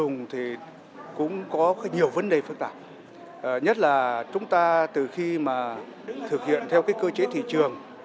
nhiều vấn đề phức tạp nhất là chúng ta từ khi mà thực hiện theo cơ chế thị trường